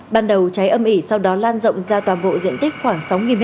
ban đầu cháy âm ỉ sau đó lan rộng ra toàn bộ diện tích khoảng sáu m hai